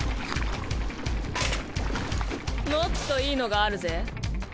もっといいのがあるぜ。